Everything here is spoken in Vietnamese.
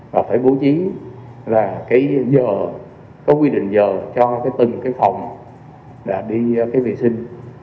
và phải bố trí là cái giờ có quy định giờ cho cái từng cái phòng là đi cái vệ sinh